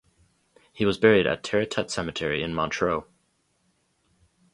He was buried at Territet Cemetery in Montreux.